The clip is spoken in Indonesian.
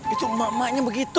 itu emak emaknya begitu